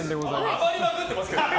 余りまくってますけどね。